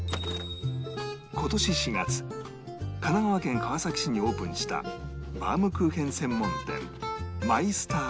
今年４月神奈川県川崎市にオープンしたバウムクーヘン専門店 ＭＹＳＴＡＲＢＡＳＥ